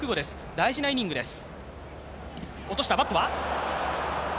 大事なイニングです。